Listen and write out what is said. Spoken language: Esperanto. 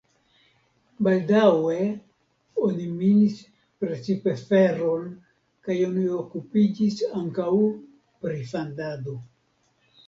Baldaŭe oni minis precipe feron kaj oni okupiĝis ankaŭ pri fandado.